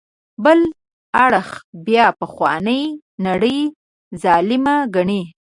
بل اړخ بیا پخوانۍ نړۍ ظالمه ګڼي.